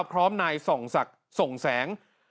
พร้อมนายส่องศักดิ์ส่งแสง